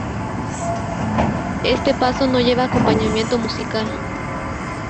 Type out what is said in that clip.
Este paso no lleva acompañamiento musical.